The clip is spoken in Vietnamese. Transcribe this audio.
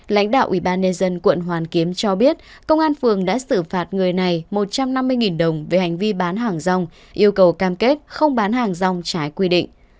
lãnh đạo ủy ban nhân dân quận hoàn kiếm cho biết công an phường đã xử phạt người này một trăm năm mươi đồng về hành vi bán hàng rong yêu cầu cam kết không bán hàng rong trái quy định